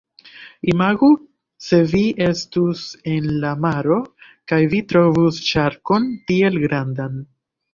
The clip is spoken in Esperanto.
Imagu se vi estus en la maro, kaj vi trovus ŝarkon tiel grandan.